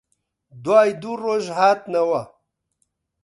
دوای دوو ڕۆژ هاتنەوە